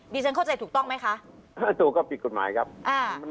ฉันเข้าใจถูกต้องไหมคะถ้าถูกก็ผิดกฎหมายครับอ่า